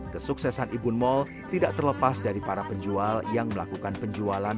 kesuksesan ibun mall tidak terlepas dari para penjual yang melakukan penjualan